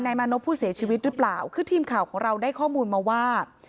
มานพผู้เสียชีวิตหรือเปล่าคือทีมข่าวของเราได้ข้อมูลมาว่า